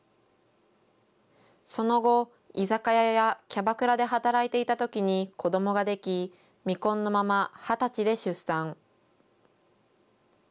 その後、居酒屋やキャバクラで働いていたときに子どもができ、未婚のまま２０歳で出産。